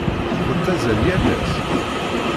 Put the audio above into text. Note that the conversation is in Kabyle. Tettazzal yal ass?